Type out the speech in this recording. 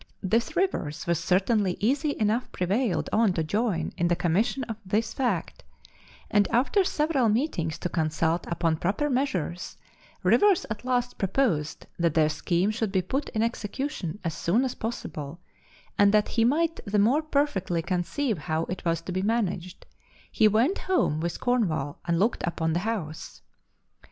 This Rivers was certainly easy enough prevailed on to join in the commission of this fact, and after several meetings to consult upon proper measures, Rivers at last proposed that their scheme should be put in execution as soon as possible; and that he might the more perfectly conceive how it was to be managed, he went home with Cornwall, and looked upon the house.